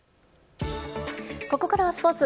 ここからはスポーツ。